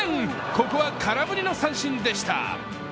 ここは空振りの三振でした。